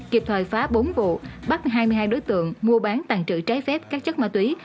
kịp thoại phá bốn vụ bắt hai mươi hai đối tượng mua bán tàng trự trái phép các chất ma túy